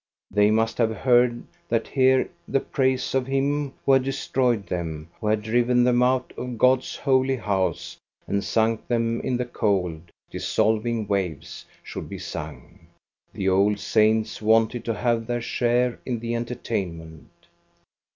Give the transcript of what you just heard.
They must have heard that here the praise of him who had destroyed them, who had driven them out of God's holy house and sunk them in the cold, dissolving waves, should be sung. The old saints wanted to have their share in the entertainment.